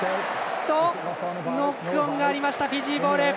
ノックオンがありましたフィジーボール。